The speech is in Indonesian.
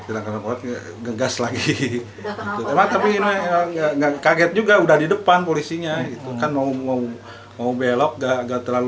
tidak ngegas lagi tapi kaget juga udah di depan polisinya itu kan mau mau belok gak terlalu